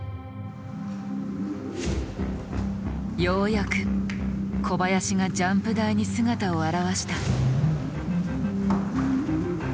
ようやく小林がジャンプ台に姿を現した。